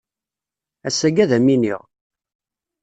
Ass-agi ad am-iniɣ.